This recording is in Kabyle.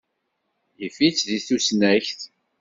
Yif-itt deg tusnakt.